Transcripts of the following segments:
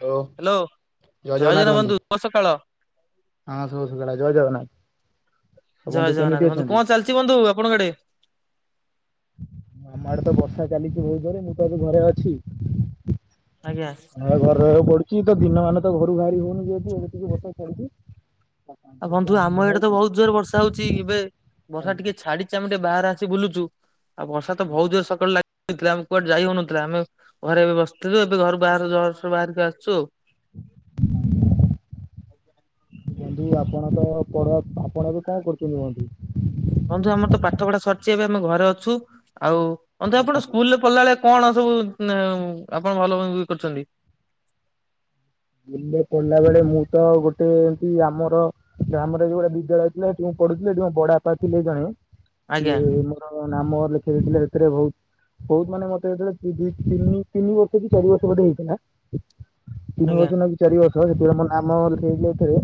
Hello hello ଜୟ [unintelligible] ଜଗନ୍ନାଥ ବନ୍ଧୁ ବଧୁ ଶୁଭସଖାଳ ହଁ ଶୁଭସଖାଳ ଜୟ ଜଗନ୍ନାଥ ଜୟ ବନ୍ଧୁ ଜଗନ୍ନାଥ କେମିତି ଅଛନ୍ତି? [unintelligible] ବନ୍ଧୁ ଆପଣଙ୍କ ଆଡେ। ଆମ ଆଡେ ତ ବର୍ଷା ଚାଲିଛି ବହୁତ ରେ ମୁଁ ତ ଏବେ ଘରେ ଅଛି। ଆଜ୍ଞା। ଆଉ ଘରେ ରହିବାକୁ ପଡୁଛି ତ ଦିନ ମାନେ ତ ଘରୁ ବାହାରି ହଉନି ଯେହତି ଏଠିକି ବତ ଛି। ଆଉ ବନ୍ଧୁ ଆମ ଏଡେ ତ ବହୁତ ଜୋର ବର୍ଷା ହଉଛି ଏବେ ବର୍ଷା ଟିକେ ଛାଡିଛି ଆମେ ଟିକେ ବାହାରେ ଆସି ବୁଲୁଛୁ। ଆଉ ବର୍ଷା ତ ଭଉତ ସକାଳୁ ଲାଗେ। ଆମେ କୁଆଡେ ଯାଇ ହଉନଥିଲେ ଆମେ ଘରେ ଏବେ ବସିଥିଲୁ ଏବେ ଘରୁ ବାହାର ଜରର ବାହାରିକି ଆସୁ ଆଉ। ବନ୍ଧୁ ଆପଣ ତ ପ ଆପଣ ଏବେ କଣ କରୁଛନ୍ତି ବନ୍ଧୁ। ବନ୍ଧୁ ଆମର ତ ପାଠ ପଢା ସରିଛି ଏବେ ଆମେ ଘରେ ଅଛୁ ଆଉ ବନ୍ଧୁ ଆପଣ ସ୍କୁଲ [unintelligible] କଲାବେଳେ କଣ ସବୁ ଆପଣ ଭଲ [unintelligible] କରିଛନ୍ତି। ବ ପିଲା ବେଳେ ମୁଁ ତ ଗୋଟେ ଏମତି ଆମର ଆମର ଯୋଉଁଭଳିଆ ବିଦ୍ୟାଳୟ ଥିଲା ସେଠି ପଢୁଥିଲେ ବଡ ବାପା ଥିଲେ ଜଣେ ଆଜ୍ଞା ଏ ନାମ ଲେଖି ଦେଇଥିଲେ ସେଥିରେ ବହୁତ ବହୁତ ମାନେ ମତେ ହେଥେବେଳେ ତିନି ତିନି ବର୍ଷ କି ଚାରି ବର୍ଷ ବୋଧେ ହେଇଥିଲା। ତିନି ଆଜ୍ଞା ବର୍ଷ ଲା ଚାରି ବର୍ଷ [unintelligible] ମୋ ନାମ ଲଖେଇ ଏଥିରେ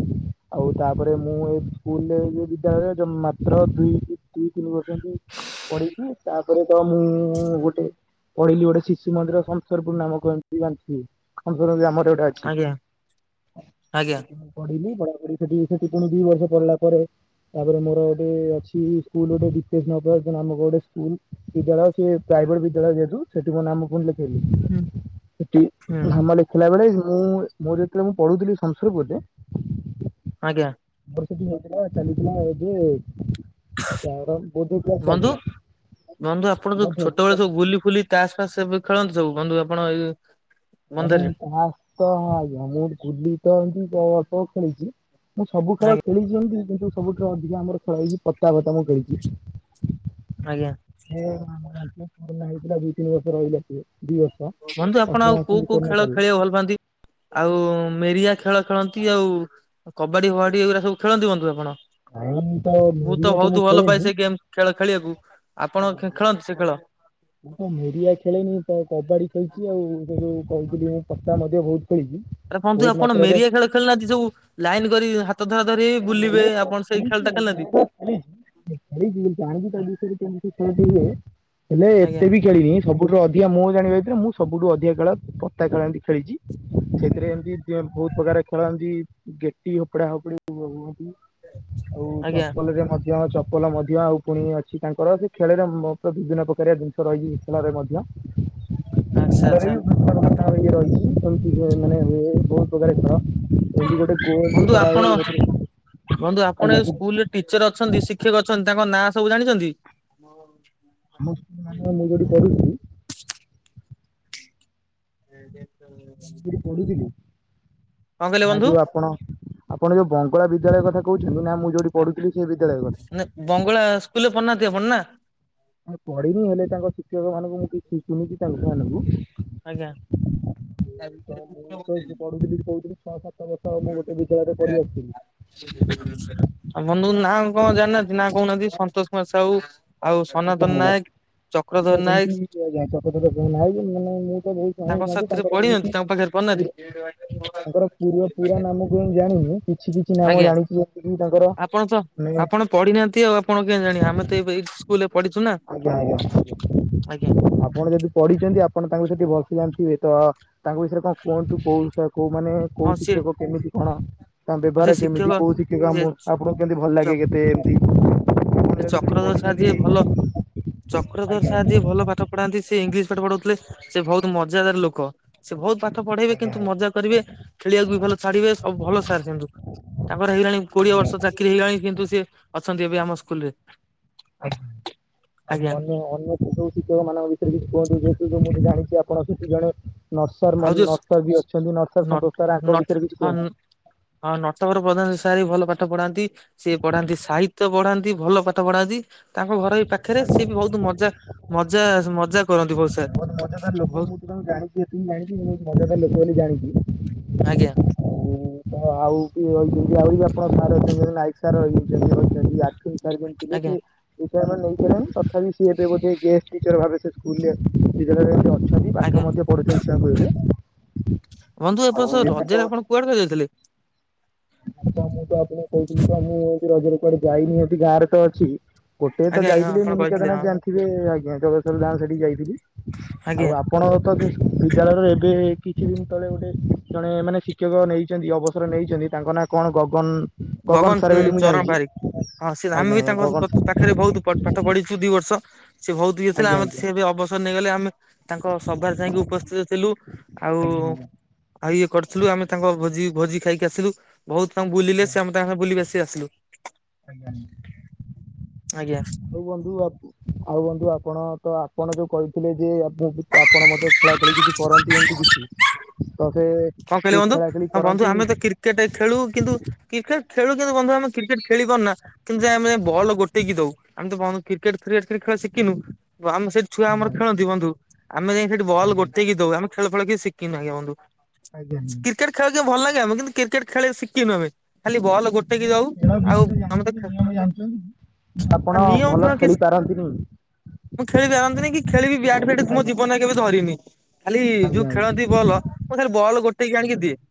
ଆଉ ତାପରେ ମୁଁ ଏ ସ୍କୁଲ ବିଦ୍ୟାଳୟରେ ଯୋଉ ର ଦୁଇ ଦୁଇ ତିନି ବର୍ଷଛନ୍ତି ପଢେଇଛି ତାପରେ ତ ମୁଁ ଗୋଟେ ପଢିଲି ଗୋଟେ ଶିଶୁ ମନ୍ଦିର ଶସରପୁର ନାମକୁ [unintelligible] ଆମର ଗୋଟେ ଛି ଆଜ୍ଞା ଆଜ୍ଞା ସେଠି ମୁଁ ପଢିଲି ପଢାପଢି ସେଠି ସେଠି ପୁଣି ଦି ବର୍ଷ ପଢିଲା ପରେ ତାପରେ ମୋର ଗୋଟେ ଅଛି ସ୍କୁ ଗୋଟେ ନାମକ ଗୋଟେ ସ୍କୁଲ। ବିଦ୍ୟାଳୟ ସେ ପ୍ରାଇଭେଟ ବିଦ୍ୟାଳୟ ଯେହେତୁ ସେଠି ନାମ କୁହଥିଲ। ସେଠି ହୁଁ ସେଠି ହୁଁ ଧାମ ଲେଖିଲା ବେଳେ ମୁଁ ମୁଁ ଯେତେବେଳେ ମୁଁ ପଢୁଥିଲି ସଂସଲପୁରରେ ଆଜ୍ଞା। ବର୍ଷଠ ହେ ଚାଲିଥିଲା ଏବେ [unintelligible] ବୋଧ ବନ୍ଧୁ ବନ୍ଧୁ ଆପଣ ଯୋଉ ଛୋଟବେଳେ ବୋଧ ସବୁ ଗୁଲି ଫୁଲି ଟାସପାସ ସ ଖେଳନ୍ତି ସବୁ ବନ୍ଧୁ ଆପଣ ଏଇ ଏ ବନ୍ଧରେ? ତା ତଁମ ଗୁଲି ତ ଏ ତ ଅଳ୍ପ ଖେଳିଛି। ମୁଁ ସବୁ ଖେଳ ଆଜ୍ଞା ଖେଳିଛନ୍ତି କିନ୍ତୁ ସବୁଠୁ ଅଧିକା ଆମର ଖେଳ ହେଇଛି ପତା ପତା ମୁଁ କରିଛି। ଆଜ୍ଞା। କରୋନା ହେଇଥିଲା ଦୁଇ ତିନି ବର୍ଷ ରହିଲା ସେ ବର୍ଷ ବନ୍ଧୁ ଆପଣ ଅଠର ଆଉ ମାସ ବି କୋଉ କୋଉ କରୋନା ଖେଳ ଚାଲିଲା ଖେଳିବା ଭଲ ପାଆନ୍ତି? ଆଉ ମେରିଆ ଖେଳ ଖେଳନ୍ତି ଆଉ କବାଡି ଫବାଡି ଏଗୁରା ଖେଳନ୍ତିନ ଆପଣ? କାଇଁ ତ ମୁଁ ତ ମେରିଆ ବହୁତ ଭଲ ଖେଳେନି ପାଏ ସେ ଗେମ୍ ଖେଳ ଖେଳିବାକୁ। ଆପଣ ଖେଳନ୍ତି ସେ ଖେଳ? ମୁଁ ତ ମିଡିଆ ଖେଳେନି ତ କବାଡି ଖେଳିଛି ଆଉ, ସେ ଯଉ କହିଥିଲି ମୁଁ ପତା ମଧ୍ୟ ବହୁତ ଖେଳିଛି। ଆରେ କୁହନ୍ତୁ ବହୁତ ଆପଣ ମାତ୍ରାରେ ମେରିଆ ଖେଳ ଖେଳିନାହାନ୍ତି ସବୁ ଲାଇନ କରି ହାତ ଧରା ଧରି ବୁଲିବେ ଆପଣ ସେଇ ଖେଳ ଟା ଖେଳି ନାହାନ୍ତି? ଆରେ ଜାଣି ତା ବିଷୟରେମିତିଲେ ହେଲେ ଆଜ୍ଞା ଏତେ ବି [unintelligible] ଖେଳିନି ସବୁଠୁରୁ ଅଧିକା ମୁଁ ଜାଣିିବା ଭିତରେ ମୁଁ ସବୁଠୁ ଅଧିକା ଖେଳ ପତା ଖେଳାନ୍ତି ଖେଳିଛି। ସେଥିରେ ଏମିତି ବହୁତ ପ୍ରକାର ଖେଳନ୍ତି ଗେଟି ହପଡା ହପଡି ହୁଅନ୍ତି। ଆଉ ଆଜ୍ଞା ଚପଲ ରେ ମଧ୍ୟ ଚ ପଲ ମଧ୍ୟ ଆଉ ପୁଣି ଅଛି ତାଙ୍କର, ସେ ଖେଳରେ ମ ବିଭିନ୍ନ ପ୍ରକାରିଆ ଜିନିଷ ରହିଛି ଖେଳରେ ମଧ୍ୟ। ଆଚ୍ଛା ରେ ଆଚ୍ଛା। ବିଏ ରହିଛି [unintelligible] ଏମିତି କି ମାନେ ହୁଏ ବୋହୁତ୍ ପ୍ରକାର୍ ଖେଳ। ଏମିତି ଗୋଟେ ଗୋଲ ଟେ ବନ୍ଧୁ କରା ଆପଣ ଯାଇ ବନ୍ଧୁ ଆପଣ ଏ ସ୍କୁଲରେ ଟିଚର ଅଛନ୍ତି ଶିକ୍ଷକ ଅଛନ୍ତି ତାଙ୍କ ନାଁ ସବୁ ଜାଣିଛନ୍ତି? ହଁ। ଆମ ସ୍କୁଲ ମାନେ ମୁଁ ଯୋଉଠି ପଢୁଛି ହ [unintelligible] ମୁଁ ଯୋଉଠି ପଢୁଥିଲି? କହିଲେ ନା ବନ୍ଧୁ? ଯୋଉ ଆପଣ ଆପଣ ଯୋଉ ବଙ୍ଗଳା ବିଦ୍ୟାଳୟ କଥା କହୁଛନ୍ତି? ନା ମୁଁ ଯଉଠି ପଢୁଥିଲି ସେ ବିଦ୍ୟାଳୟ କଥା? ବଙ୍ଗଳା ସ୍କୁଲରେ ପଢ଼ନାହାନ୍ତି ଆପଣ ନା? ପଢିନି ହେଲେ ତାଙ୍କ ଶିକ୍ଷକ ମାନଙ୍କୁ ମୁଁ କିଛି ଶିଖୁିନିଛି ତାଙ୍କ ମାନଙ୍କୁ। ଆଜ୍ଞା ତ ମୁଁ ତ ପଢୁଥିଲି କହୁଥିଲି ଛଅ ସାତ ବର୍ଷ ମୁଁ ଗୋଟେ ବିଦ୍ୟାଳୟରେ ପଢି ଆସିଥିଲି। ଆଉ ବନ୍ଧୁ ନାଁ କଣ ଜାଣିନାହାନ୍ତି? ନା କହୁନାହାନ୍ତି ସନ୍ତୋଷ କୁମାର ସାହୁ। ଆଉ ସନାତନ ନାୟକ, ଚକ୍ରଧର ନାୟକ। ଛ ମାନେ [unintelligible] ତାଙ୍କ ସାଥିରେ ତାଙ୍କର ପଢି ଏମିତି ନାହାନ୍ତି? ତାଙ୍କ ପାଖରେ ପୁର ପଢିନାତି? ତାଙ୍କର ପୁରଅ ପୁରା ନାମକୁ ମୁଁ ଜାଣିନି? କିଛି କିଛି ନାମ ଆଜ୍ଞା ଜାଣିଛି ଯେମିତି ତାଙ୍କର ଆପଣ ତ ମାନେ ଆପଣ ପଢିନାହାନ୍ତି ଆଉ ଆପଣ କେମିତି ଜାଣିବେ? ଆମେ ତ ଏ ସ୍କୁଲରେ ପଢିଛୁ ନା। ଆଜ୍ଞା ଆଜ୍ଞା, ଆଜ୍ଞା ଆପଣ ଯଦି ପଢିଛନ୍ତି ଆପଣ ତାଙ୍କୁ ସେଠି ଭଲ ସେ ଜାଣିଥିବେ ତ, ତାଙ୍କ ବିଷୟରେ କଣ କୁହନ୍ତୁ କୋଉ, କୋଉ ମାନେ ହଁ କୋଉ ସିଏ ଶିକ୍ଷକ କେମିତି କଣ? ତାଙ୍କ ହଁ ସେ ବ୍ୟବହାର ଶିକ୍ଷକ କେମିତି କୋଉ ଶିକ୍ଷକ ସେ ଆମ, ଆପଣଙ୍କୁ କେମତି ଭଲ ଲାଗେ କେତେ ଏମତି? ସେ ଚକ୍ରଧର ସାର ଯିଏ ଭଲ। ଚକ୍ରଧର ଆଜ୍ଞା ସାର୍ ଯିଏ ଆଜ୍ଞା ଭଲ ପାଠ ପଢ଼ାନ୍ତି ସେ ଇଂଲିଶ ପାଠ ପଢାଉଥିଲେ ସେ ବହୁତ ମଜାଦାର ଲୋକ। ସେ ବହୁତ ପାଠ ପଢେଇବେ ଆଜ୍ଞା କିନ୍ତୁ ମଜା କରିବେ ଖେଳିବାକୁ ବି ଭଲ ଛାଡିବେ ସବୁ ଭଲ ସାର। କିନ୍ତୁ ତାଙ୍କର ହେଇଗଣି କୋଡିଏ ବର୍ଷ ଚାକିରି ହେଇଗଲାଣି କିନ୍ତୁ ସେ ଅଛନ୍ତି ଏବେ ଆମ ସ୍କୁଲରେ। ଆଜ୍ଞା, ଆଉ ଆଜ୍ଞା ଅନ୍ୟ ଅନ୍ୟ ଯୋଉ ଶିକ୍ଷକ ମାନଙ୍କ ଭିତରେ କିଛି କୁହନ୍ତୁ। ଯେହେତୁ ମୁଁ ଜାଣିଛି ଆପଣ ସେଠି ଜଣେ ନର୍ସର ଆଉ ମନ୍, ଯୋଉ ନର୍ସର ବି ଅଛନ୍ତି ନ ନର୍ସର ସନ୍ତୋଷ ସାର୍ ନ ତାଙ୍କ ବିଷୟରେ କିଛି ହଁ କୁହନ୍ତୁ? ହଁ, ନଟଵର ପ୍ରଧାନ ସାର୍ ବି ଭଲ ପାଠ ପଢାନ୍ତି। ସିଏ ପଢାନ୍ତି ସାହିତ୍ୟ ପଢାନ୍ତି ଭଲ ପାଠ ପଢାନ୍ତି। ତାଙ୍କ ଘର ଏଇ ପାଖରେ। ସିଏ ବି ବହୁତ ମଜା, ମଜା ମଜା କରନ୍ତି ବହୁତ ସାର୍। ବହୁତ ମଜାଦାର ଲୋକ ବହୁତ ମୁଁ ତ ତାକୁ ଜାଣିଛି ଏଥିି ଜାଣିଛି ବହୁତ ମଜାଦାର ଲୋକ ବୋଲି ଜଣିଛି। ଆଜ୍ଞା। ଆଉ କିଏ ରହିଛନ୍ତି ଆହୁରି ବି ଆପଣଙ୍କ ସାର୍ ଅଛନ୍ତି ନାଇକ ସାର୍ ରହି ରଛନ୍ତି ଆ ଚାରି ଜଣ ଥିଲେ ଆଜ୍ଞା ସେ ରିଟାର୍ଡ ମେଣ୍ଟ ନେଇସାରିଲେଣି, ତଥାପି ସିଏ ଏବେ ବୋଧେ ଗେଷ୍ଟ ଟିଚର ଭାବେ ସ୍କୁଲ ରେ ବିଦ୍ୟାଳୟରେ ଏବେ ଅଛନ୍ତି ପାଠ ଆଜ୍ଞା ମଧ୍ୟ ପଢୁଛନ୍ତି ସବୁ ଏବେ। ବନ୍ଧୁ ଏ ବର୍ଷ ଆଉ ଏବେ ରଜରେ ତ ଆପଣ କୁଆଡେ ପଳାଇଯାଇଥିଲେ? ତ ମୁଁ ତ ଆପଣଙ୍କୁ କରିଥିଲି, ତ ମୁଁ ଏ ରଜରେ କୁଆଡେ ଯାଇନି ଏଠି ଗାଁରେ ତ ଅଛି। ଗୋଟେ ତ ଆଜ୍ଞା ଆଜ୍ଞା ଯାଇଥିଲି ଆପଣ ମିନି କହିଥିଲେ କେଦାରନାଥ ହଁ ଜାଣିଥିବେ? ଆଜ୍ଞା ଜଗେଶ୍ୱର ଧାମ ସେଠି ଯାଇଥିଲି। ଆଜ୍ଞା ଆଉ ଆପଣ ତ ସେ ବିଦ୍ୟାଳୟରେ ଏବେ କିଛି ଦିନ ତଳେ ଗୋଟେ ଜଣେ ମାନେ ଶିକ୍ଷକ ନେଇଛନ୍ତି ଅବସର ନେଇଛନ୍ତି। ତାଙ୍କ ନାଁ କଣ ଗଗନ? ଗଗନ ସାର୍ ବୋଲି ମୁଁ ଚରଣ ଜାଣିଛି। ଵାରିକ ହଁ ସେ ଆମେ ଆଜ୍ଞା ବି ଆଜ୍ଞା ଗଗନ ତାଙ୍କ ସାର୍ ପାଖରେ ବହୁତ ପାଠ ପଢିଛୁ ଦୁଇ ବର୍ଷ। ସେ ବହୁତ ଇଏ ଥିଲା ଆଜ୍ଞା ଆମେ ଆଜ୍ଞା ଆଜ୍ଞା ସେ ଅବସର ନେଇଗଲେ ଆମେ ତାଙ୍କ ସଭାରେ ଯାଇକି ଉପସ୍ଥିତ ଥିଲୁ। ଆଉ ଆଜ୍ଞା ଆଉ ଇଏ କରିଥିଲୁ ଆମେ ତାଙ୍କ ଭୋଜି ଭୋଜି ଖାଇକି ଆସିଲୁ ବହୁତ ତାଙ୍କୁ ବୁଲିଲେ ଆଜ୍ଞା। ସେ ଆମ ବୁଲିିବାସି ଆସିଲୁ। ଆଜ୍ଞା। ଆଜ୍ଞା। ହଉ ବନ୍ଧୁ ଆଉ ବନ୍ଧୁ ଆପଣ ତ ଆପଣ ଯୋଉ କହିଥିଲେ ଯେ ଆ ଆପଣ ମଧ୍ୟ ଖେଳାଖେଳି କିଛି କରନ୍ତି ଏମିତି କିଛି ତ ସେ ଯୋଉ ଖେଳା ଖେଳି କରନ୍ତି। ଟେ ଖେଳୁ କିନ୍ତୁ କ୍ରିକେଟ ଖେଳୁ କିନ୍ତୁ ବନ୍ଧୁ ଆମେ କ୍ରିକେଟ ଖେଳି ପାରୁ ନା କିନ୍ତୁ ଆମେ ବଲ ଗୋଟେଇକି ଦଉ ଆମେ ତ କହୁ କ୍ରିକେଟ କ୍ରିକେଟ ଖେଳ ଶିଖିନୁ ଆମେ ସେ ଛୁଆ ଆମର ଆଜ୍ଞା ଖେଳନ୍ତି ବନ୍ଧୁ ଆମେ ଯାଇକି ସେଠି ବଲ ଆଜ୍ଞା ଗୋଟେଇି ଆମେ ଖେଳ ଫେଳ କିଛି ସିଖିନୁ ବନ୍ଧୁ। ଆଜ୍ଞା କ୍ରିକେଟ ଖେଳିବାକୁ ଭଲ ଲାଗେ ଆମ କିୁ କ୍ରିକେଟ ଖେଳ ଶିଖିନୁ ଆମେ ଖାଲି ବଲ୍ ଗୋଟେଇକି ଦଉ ଖେଳ ଆଉ ବିଷୟରେ ଆମେ ତ ଜାଣିଛନ୍ତି ନିୟମ ଜାଣିଛନ୍ତି ଆପଣ ନିୟମ ଭଲ ଫିୟମ କିଛି ଖେଳି ପାରନ୍ତିନି। ମୁଁ ଖେଳି ପାରନ୍ତିନି କି ଖେଳିବି ବ୍ୟାଟ ଫ୍ୟାଟ ମୋ ଆଜ୍ଞା ଜୀବନରେ କେବେ ଧରିନି। ଖାଲି ଆଜ୍ଞା ଯୋଉ ଆଜ୍ଞା। ଆଜ୍ଞା ଖେଳନ୍ତି ବଲ ମୁଁ ଖାଲି ବଲ୍ ଗୋଟେ ଗୋଟେଇକି ଆଣିକି ଦିଏ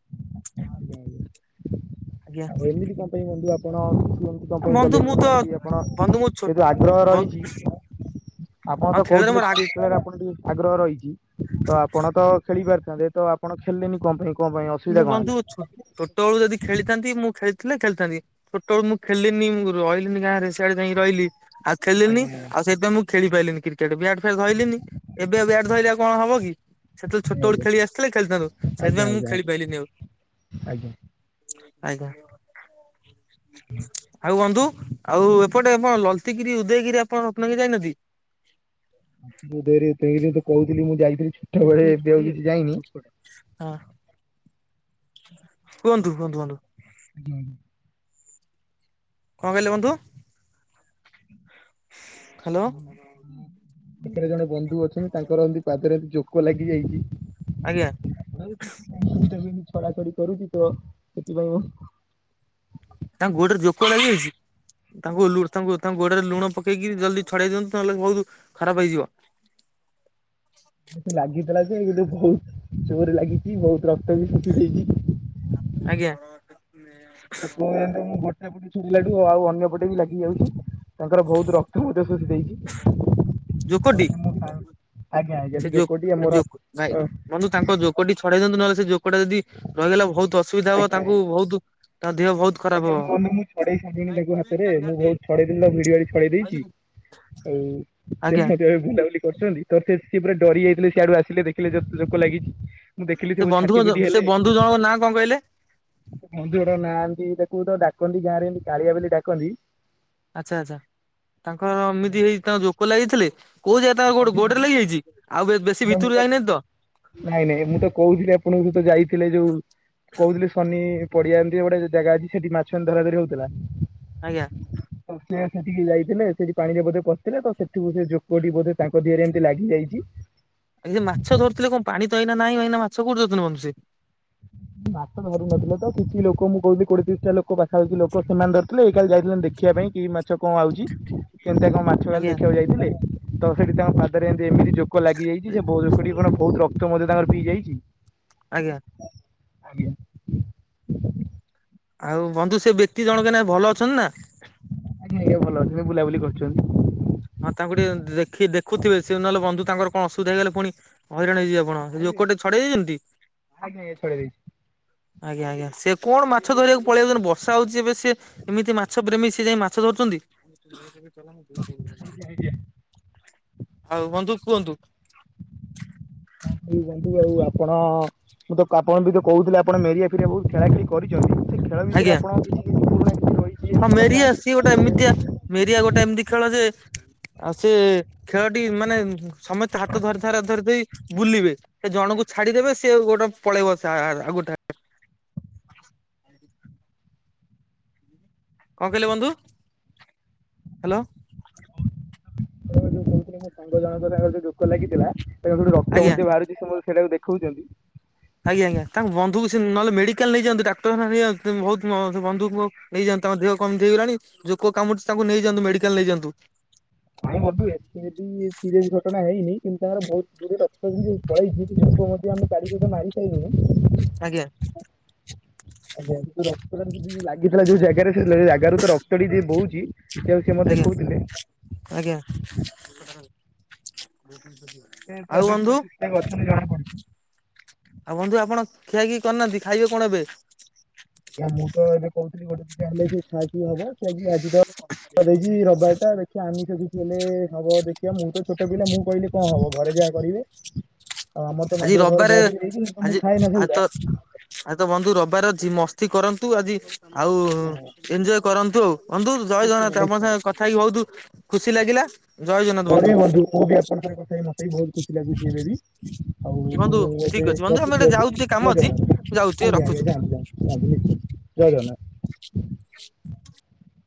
ଆଉ ଆଜ୍ଞା। ଏମିତି କଣ ପାଇଁ ବନ୍ଧୁ ଆପଣ କିନ୍ତୁ ତପ ବନ୍ଧୁ କଲେ ମୁଁ ତ ଏମିତି ଆପଣ ବନ୍ଧୁ ମୁଁ ଛୋ ଯେହେତୁ ଆଗ୍ରହ ବନ୍ଧୁ ରହିଛି ଆପଣ ହଁ ତ ଖେଳରେ କହୁଥିଲେ ମୋର ଆଗ କ୍ରିକେଟ ଖେଳାରେ ଆପଣଙ୍କ ଟିକେ ଆଗ୍ରହ ରହିଛି ତ ଆପଣ ତ ଖେଳି ପାରିଥାନ୍ତେ ତ ଆପଣ ଖେିଲିଲେନି ନ କଣ ପାଇଁ କଣ ପାଇଁ ମୁଁ ଅସୁବିଧା କଣ ବନ୍ଧୁ ହେଲା? ଛୋ ଛୋଟବେଳୁ ଯଦି ଖେଳିଥାନ୍ତି ମୁଁ ଖେଳିଥିଲେ ଖେଳିଥାନ୍ତି ଛୋଟବେଳୁ ମୁଁ ଖେଳିନି ମୁଁ ରହିଲିିନି ଗାଁରେ। ସିଆଡେ ଯାଇକି ରହିଲି ଆଉ ଖେଳିଲିନି ଆଜ୍ଞା ଆଉ ସେଥିପାଇଁ ମୁଁ ଖେଳି ପାଇଲିିନି କ୍ରିକେଟ ବ୍ୟାଟ୍ ଛୋଟବେଳେ ବ୍ୟାଟ ଧଇଲିନି ଏବେ ବ୍ୟାଟ ଧରିଲେ ଆଉ କଣ ହବ କି? ସେତେବେଳେ ଆଜ୍ଞା ଛୋଟବେଳେ ଆଜ୍ଞା ଖେଳି ଆସିଥିଲେ ଖେଲିଥାଆନ୍ତ ଆଜ୍ଞା ସେଥିପାଇଁ ମୁଁ ଆଜ୍ଞା ଆଜ୍ଞା ଖେଲିପାଇଲିନି ଆଉ ଆଜ୍ଞା। ଆଜ୍ଞା। ଆଉ ବନ୍ଧୁ ଆଉ ଏପଟେ ଆପଣ ଲଲିତଗିରି ଉଦୟଗିରି ଆପଣ ରତ୍ନଗିରି ଯାଇନାହାନ୍ତି? ମୁଁ ଉଦୟଗିରି ଫୁଦୟଗିରି ତ କହୁଥିଲି ମୁଁ ଯାଇଥିଲି ଛୋଟ ବେଳେ ଆଉ ମୁଁ ଯାଇନି। ହଁ। କୁହନ୍ତୁ ହଁ କୁହନ୍ତୁ। [unintelligible] କଣ କହିଲେ ବନ୍ଧୁ? ଖାନୋ। ଏଠାରେ ଜଣେ ବନ୍ଧୁ ଅଛନ୍ତି ତାଙ୍କର ଏମିତି ପାଦରେ ଏମତି ଜୋକ ଲାଗି ଯାଇଛି। ଆଜ୍ଞା। [unintelligible] କରୁଛି ତ ସେଥିପାଇଁ। ତାଙ୍କ ଗୋଡ଼ରେ ଜୋକ ଲାଗି ଯାଇଛି? ତାଙ୍କୁ ତାଙ୍କୁ ତାଙ୍କୁ ଗୋଡରେ ଲୁଣ ପକେଇକି ଜଲଦି ଛଡେଇ ଦିଅନ୍ତୁ ନହେଲେ ବହୁତ ଖରାପ ହେଇଯିବ। ଏତେ ଲାଗିଥିଲା ଯେ ବହୁତ ଜୋର ଲାଗିଛି ବହୁତ ରକ୍ତ ବି ଶୁଖିଯାଇଛି। ଆଜ୍ଞା। ନାଁ। ସେ କୁହ [unintelligible] ଟିଲାଠୁ ଆଉ ଅନ୍ୟପଟେ ବି ଲାଗି ଯାଉଛି ତାଙ୍କର ବହୁତ ରକ୍ତ ମଧ୍ୟ ଶୋଷି ଜୋକଟି ଦେଇଛି। ମୁଁ ଆଜ୍ଞା ଆଜ୍ଞା ସେ ଜୋ ଯୋକ ଟି ଆମର ଜୋ ବନ୍ଧୁ ତାଙ୍କ ଯୋକଟି ଛଡେଇ ଦିଅନ୍ତୁ ନହେଲେ ସେ ଯୋକଟା ଯଦି ରହିଗଲା ବହୁତ ଅସୁବିଧା ହବ ଆଜ୍ଞା ତାଙ୍କୁ ଆଜ୍ଞା। ବହୁତ। ତା ଦେହ ବହୁତ ଖରାପ ଆଜ୍ଞା ହବ ମନେ ମୁଁ ଛଡେଇ ସାରିଲଣି ତାକୁ ହାତରେ ମୁଁ ବହୁତ ଛଡେଇ ଭିଡି ଭଡି ଛଡେଇ ଦେଇଛି। ଆଉ ସେ ଆଜ୍ଞା ମଧ୍ୟ ଏବେ ବୁଲାବୁଲି କରୁଛନ୍ତି। ତ ସେ ସିଏ ପୁରା ଡରି ଯାଇଥିଲେ, ସିଆଡୁ ଆସିଲେ ଦେଖିଲେ ଯେତେ ଜୋକ ଲାଗିଚି। ମୁଁ ଦେଖିଲି ସେ ଯେବେ ବନ୍ଧୁ ଛାଟି ପିଟି ସେ ହେଲେ। ବନ୍ଧୁ ଜଣଙ୍କ ନାଁ କଣ କହିଲେ? ର ନାହାନ୍ତି ତାକୁ ତ ଡାକନ୍ତି ଗାଁ ରେ ଏମିତି କାଳିଆ ବୋଲି ଡାକନ୍ତି। ଆଚ୍ଛା ଆଚ୍ଛା ତାଙ୍କର ଏମିତି ହେଇ ତାଙ୍କ ଜୋକ ଲାଗିଥିଲା କୋଉ ଯାଗା ତାଙ୍କ ଆଜ୍ଞା ଗୋଡରେ ଆଜ୍ଞା ଲାଗିଯାଇଛି? ଆଉ ବେ ବେଶୀ ଭିତରୁ ଯାଇନାହାନ୍ତି ତ? ନାଇଁ ନାଇଁ ମୁଁ ତ କହୁଥିଲି ଆପଣଙ୍କୁ ତ ଯାଇଥିଲେ ଯୋଉ କହୁଥିଲି ସନି ପଡ଼ିଆ ଏମିତି ଗୋଟେ ଜାଗା ଅଛି ସେଠି ମାଛ ଏମିତି ଧରା ଧରି ହଉଥିଲା। ଆଜ୍ଞା। ସେ ସେଠିକି ଯାଇଥିଲେ ସେଠି ପାଣିରେ ବୋଧେ ପଶିଥିଲେ ତ ସେଠିୁ ସେ ଯୋକଟି ବୋଧେ ତାଙ୍କ ଦେହରେ ଏମିତି ଲାଗିଯାଇଚି। ଏଇ ମାଛ ଧରୁଥିଲେ କଣ ପାଣି ତ ଏଇନା ନାଇଁ ଏଇନା ମାଛ କୋଉଠି ଧରୁଛନ୍ତି ବନ୍ଧୁ ସିଏ? ମାଛ ଧରୁନଥିଲେ ତ କିଛି ଲୋକ ମୁଁ କହୁଥିଲି କୋଡ଼ିଏ ତିରିଶଟା ଲୋକ ଲୋକ ପାଖାପାଖି ଲୋକ ସେମାନେ ଧରିଥିଲେ‌ ଇଏ କାଲି ଯାଇଥିଲେ ଦେଖିବା ପାଇଁ କି ମାଛ କଣ ଆଉଚି କେନ୍ତା କଣ ମା ମାଛ କାଲି ଆଜ୍ଞା ଦେଖିବାକୁ ଯାଇଥିଲେ ତ ସେଠି ତାଙ୍କ ପାଦରେ ଏମିତି ଏମିତି ଜୋକ ଲାଗିଯାଇଚି ସେ ଲୋକଠି [unintelligible] ବହୁତ୍ ର କ୍ତ [unintelligible] ମଧ୍ୟ ତାଙ୍କର ପିଇ ଯାଇଚି। ଆଜ୍ଞା। ଆଜ୍ଞା। ଆଉ ବନ୍ଧୁ ସେ ବ୍ୟକ୍ତି ଜଣକ ନା ଭଲ ଅଛନ୍ତି ନା? ଆଜ୍ଞା ଆଜ୍ଞା ଭଲ ଅଛନ୍ତି ବୁଲାବୁଲି କରୁଚନ୍ତି। ହଁ ତାଙ୍କୁ ଟିକେ ଦେଖି ଦେଖୁଥିବେ ସେ ନହେଲେ ବନ୍ଧୁ ତାଙ୍କ ର କଣ ଅସୁବିଧା ହେଇଗଲେ ପୁଣି ହଇରାଣ ହେଇଯିବେ ଆପଣ ସେ ଜୋକଟେ ଛଡ଼େଇ ଦେଇଛନ୍ତି? ଆଜ୍ଞା ଆଜ୍ଞା ଛଡ଼େଇ ଦେଇଛି। ଆଜ୍ଞା ଆଜ୍ଞା ସେ କଣ ମାଛ ଧରିବାକୁ ପଳେଇ ଯାଉଛନ୍ତି ବର୍ଷା ହଉଛି ଏବେ ସେ ଏମିତି ମାଛ ପ୍ରେମୀ ସେ ଯାଇ ମାଛ ଧରୁଛନ୍ତି। ଆଜ୍ଞା ଆଜ୍ଞା। ଆଉ ବନ୍ଧୁ କୁହନ୍ତୁ। ହଁ ବନ୍ଧୁ ଯୋଉ ଆପଣ ମୁଁ ତ ଆପଣ ବି ତ କହୁଥିଲେ ଆପଣ ମେରିଆ ଫେରିଆ ବହୁତ୍ ଖେଳା ଖେଳି କରିଚନ୍ତି। ସେ ଖେଳ ବିଷୟରେ ଆଜ୍ଞା ଆପଣଙ୍କ କିଛି କିଛି ପୁରୁଣା ରହିଚି ଏମିତି କଥା। ସେ ଗୋଟେ ଏମିତିଆ ମେରିଆ ଗୋଟେ ଏମିତି ଖେଳ ଯେ ଆଉ ସେ ଖେଳଟି ମାନେ ସମସ୍ତେ ହାତ ଧରି ଧରା ଧରି ଦେଇ ବୁଲିବେ। ସେ ଜଣଙ୍କୁ ଛାଡିଦେବେ ସିଏ ଗୋଟେ ପଳେଇବ ସେ ଆଉ ଗୋଟେ କଣ କହିଲେ ବନ୍ଧୁ ହ୍ୟାଲୋ। ଯୋଉ କହୁଥିଲା ମୋ ସାଙ୍ଗ ଜଣଙ୍କ ତାଙ୍କର ଯୋଉ ଜୋକ ଲାଗିଥିଲା ଏବଂ ଯୋଉ ରକ୍ତ ଆଜ୍ଞା ମଧ୍ୟ ବାହାରି ସମସ୍ତେ ସେଇଟାକୁ ଦେଖଉଚନ୍ତି। ଆଜ୍ଞା ଆଜ୍ଞା ତାଙ୍କ ବନ୍ଧୁ ସେ ନହେଲେ ମେଡ଼ିକାଲ ନେଇଯାନ୍ତୁ ଡାକ୍ତରଖାନା ନେଇଯାଆନ୍ତୁ ବହୁତ୍ ବନ୍ଧୁଙ୍କୁ ନେଇଯାଆନ୍ତୁ ତାଙ୍କ ଦେହ କଣ ଏମିତି ହେଇଗଲାଣି ଜୋକ କାମୁଡ଼ିଚି ତାଙ୍କୁ ନେଇଯାଆନ୍ତୁ ମେଡ଼ିକାଲ ନେଇଯାଆନ୍ତୁ। ଭାଇ [unintelligible] ଏବେ ବି ସିରିଏସ୍ ଘଟଣା ହେଇନି‌ କିନ୍ତୁ ତାଙ୍କର ବହୁତ୍ [unintelligible] ରକ୍ତ ବି ପଳେଇଛି ଲୋକ ଆମେ [unintelligible] ମାରି ପାରିଲୁନି। ଆଜ୍ଞା। ଆଜ୍ଞା ଯୋଉ ରକ୍ତ ଟା ଲାଗିଥିଲା ଯୋଉ ଜାଗାରେ ସେ ଜାଗାରୁ ତ ରକ୍ତଟି ଯୋଉ ବହୁଛି। ଆଜ୍ଞା ଆଜ୍ଞା। ସେ ତ ଆଉ ଏବେ ବନ୍ଧୁ ପୁରା ଠିକ୍ ଠାକ୍ ଅଛନ୍ତି ଜଣାପଡୁଚି। ଆଉ ବନ୍ଧୁ ଆପଣ ଖିଆ ଖିଇ କରିନାହାନ୍ତି ଖାଇବେ କଣ ଏବେ? ଆ ମୁଁ ତ ଏବେ କହୁଥିଲି ଗୋଟେ ଦିଟା ହେଲେ ଖିଆ ଖିଇ ହବ। [unintelligible] ଆଜି [unintelligible] ରବିବାର ଟା ଦେଖ ଆମିଷ ବି ଥିଲେ ହବ ଦେଖିବା ମୁଁ ତ ଛୋଟ ପିଲା ମୁଁ କହିଲି କଣ ହବ ଘରେ ଯାହା କରିବେ। ଆଉ ଆମର ତ ଆଜି [unintelligible] ରବିବାରେ ଧରିକି ହେଇଚି ତ ମୁଁ ଖାଏ ନା ସେଗୁଡ଼ା। ଆ ତ ବନ୍ଧୁ ରବିବାର ଅଛି ମସ୍ତି କରନ୍ତୁ ଆଜି ଆଉ ଆଜ୍ଞା ଆଜ୍ଞା ଏଞ୍ଜୟ କରନ୍ତୁ ଆଉ। ବନ୍ଧୁ ଜୟ ନିଶ୍ଚିନ୍ତ ଜଗନ୍ନାଥ ଆପଣଙ୍କ ନିଶ୍ଚିନ୍ତ ସାଙ୍ଗେ କଥା ହେଇକି ବହୁତ୍ ଖୁସି ଲାଗିଲା। ଜୟ ଜଗନ୍ନାଥ ମୁଁ ବି ବନ୍ଧୁ ମୁଁ ବି ଆପଣଙ୍କ [unintelligible] କଥା ହେଇକି ମତେ ବି ବହୁତ୍ ଖୁସି ଲାଗୁଛି ଏବେ ବି। ଆଉ ମୁଁ ବନ୍ଧୁ ଠିକ ଏବେ ଅଛି ବନ୍ଧୁ ଆମେ ରଖୁଛି ଗୋଟେ ଯାଉଛୁ ଟିକେ କାମ ଆଜ୍ଞା ଜୟ ଅଛି ଜଗନ୍ନାଥ ଯାଉଛି ଟିକେ ଆଜ୍ଞା ଆଜ୍ଞା ରଖୁଛୁ। ଯାଆନ୍ତୁ। ରାଗିଲେକି ଜୟ ଜଗନ୍ନାଥ।